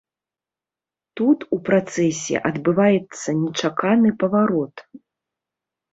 Тут у працэсе адбываецца нечаканы паварот.